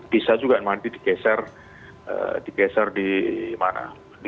bisa juga nanti digeser di mana